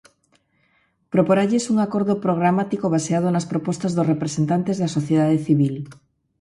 Proporalles un acordo programático baseado nas propostas dos representantes da sociedade civil.